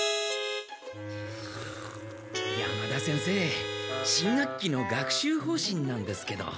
山田先生新学期の学習方針なんですけど。